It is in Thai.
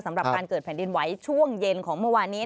สำหรับการเกิดแผ่นดินไหวช่วงเย็นของเมื่อวานนี้